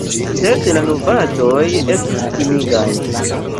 Sed la novaĵoj estis timigaj.